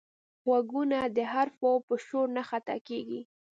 غوږونه د حرفو په شور نه خطا کېږي